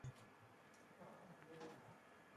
شفاف پالیسي د باور فضا جوړوي.